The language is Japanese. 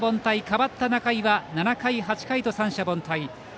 代わった仲井は７回、８回と三者凡退。